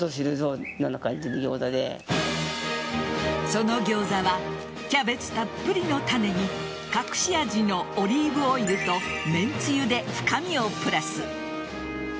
そのギョーザはキャベツたっぷりのタネに隠し味のオリーブオイルと麺つゆで深みをプラス。